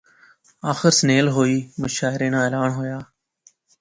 آخر سنیل ہوئی، مشاعرے ناں اعلان ہویا